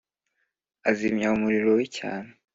azimya umuriro we cyane;